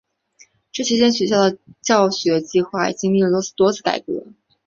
这期间学校的教学计划经历了多次改革。